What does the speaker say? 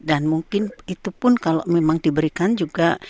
dan mungkin itu pun kalau memang diberikan juga